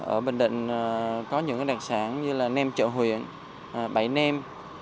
ở bình định có những đặc sản như là nem chợ huyện bảy nêm